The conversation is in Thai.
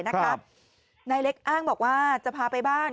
นายเล็กอ้างบอกว่าจะพาไปบ้าน